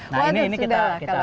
nah ini kita